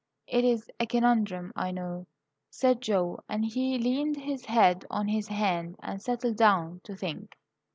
'" "It is a conundrum, I know," said Joe; and he leaned his head on his hand and settled down to think.